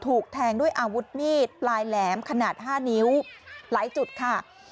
ถูกแทงด้วยอาวุธมีดปลายแหลมขนาด๕นิ้วหลายจุดค่ะ